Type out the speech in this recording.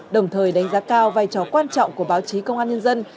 đồng thời đánh giá cao vai trò quan trọng của báo chí công an nhân dân